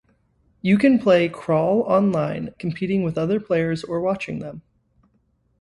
You can play Crawl online, competing with other players or watching them